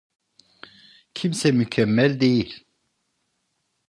Kimse mükemmel değil.